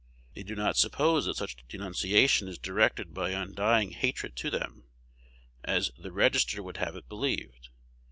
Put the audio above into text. They do not suppose that such denunciation is directed by undying hatred to them, as "The Register" would have it believed.